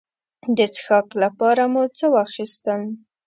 د څښاک لپاره مو څه واخیستل.